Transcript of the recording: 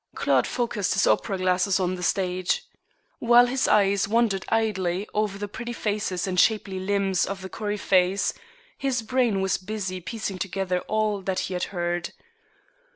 Claude focussed his opera glasses on the stage. While his eyes wandered idly over the pretty faces and shapely limbs of the coryphées his brain was busy piecing together all that he had heard.